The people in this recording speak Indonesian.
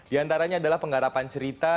di antaranya adalah penggarapan cerita